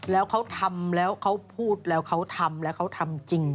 แล้วเขาทำแล้วเขาพูดแล้วเขาทำแล้วเขาทำจริง